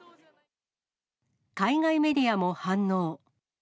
海外メディアも反応。